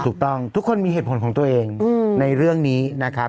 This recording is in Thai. ทุกคนมีเหตุผลของตัวเองในเรื่องนี้นะครับ